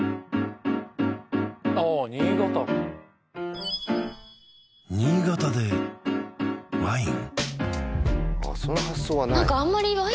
ああ新潟新潟でワイン？